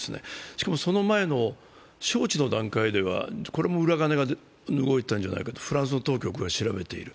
しかも、その前の招致の段階では、これも裏金が動いたんじゃないかとフランスの当局が動いている。